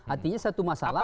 artinya satu masalah